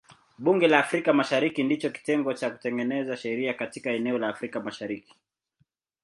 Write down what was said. Bunge la Afrika Mashariki ndicho kitengo cha kutengeneza sheria katika eneo la Afrika Mashariki.